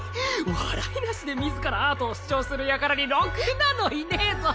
笑いなしで自らアートを主張する輩にろくなのいねぇぞ。